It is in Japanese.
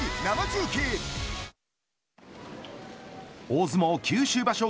大相撲九州場所